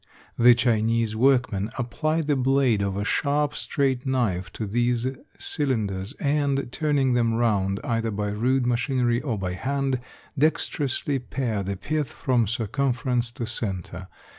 The Chinese workmen apply the blade of a sharp, straight knife to these cylinders, and, turning them round either by rude machinery or by hand, dexterously pare the pith from circumference to center.